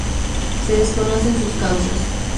Se desconocen sus causas.